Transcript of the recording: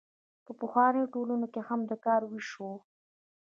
په پخوانیو ټولنو کې هم د کار ویش و.